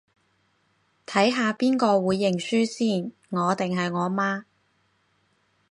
睇下邊個會認輸先，我定係我媽